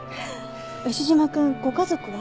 牛島くんご家族は？